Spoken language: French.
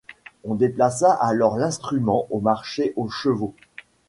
On déplaça alors l'instrument au marché aux chevaux.